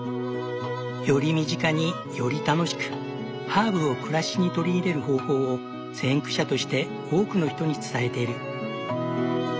より身近により楽しくハーブを暮らしに取り入れる方法を先駆者として多くの人に伝えている。